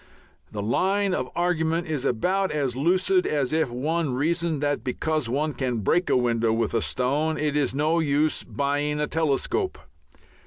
The line of argument is about as lucid as if one reasoned that because one can break a window with a stone it is no use buying a telescope.